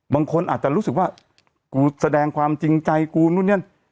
บางคนอาจจะรู้สึกว่ากูแสดงความจริงใจกูนู่นนี่